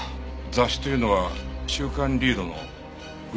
雑誌というのは『週刊リード』のグラビアですね？